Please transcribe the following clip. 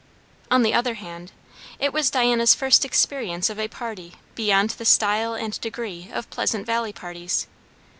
On the other hand, it was Diana's first experience of a party beyond the style and degree of Pleasant Valley parties.